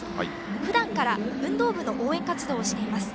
ふだんから運動部の応援活動をしています。